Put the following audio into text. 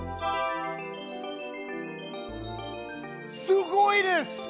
すごいです！